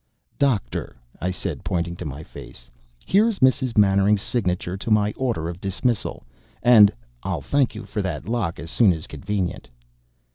"Doctor," I said, pointing to my face, "here's Miss Mannering's signature to my order of dismissal and... I'll thank you for that lakh as soon as convenient."